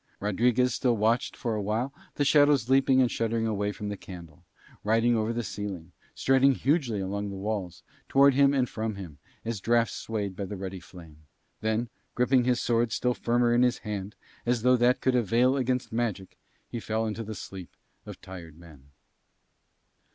Rodriguez still watched for a while the shadows leaping and shuddering away from the candle, riding over the ceiling, striding hugely along the walls, towards him and from him, as draughts swayed the ruddy flame; then, gripping his sword still firmer in his hand, as though that could avail against magic, he fell into the sleep of tired men.